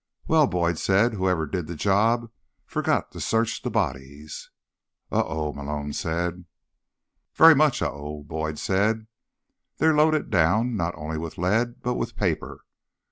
"Well," Boyd said, "whoever did the job forgot to search the bodies." "Oh oh," Malone said. "Very much oh oh," Boyd said. "They're loaded down, not only with lead, but with paper.